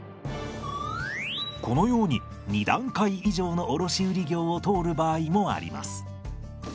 このように２段階以上の卸売業を通る場合もあります。